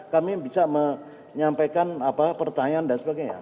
kami bisa menyampaikan pertanyaan dan sebagainya